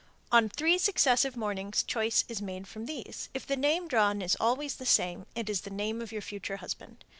On three successive mornings choice is made from these. If the name drawn is always the same, it is the name of your future husband.